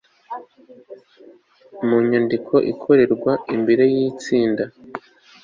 mu nyandiko ikorerwa imbere y itsinda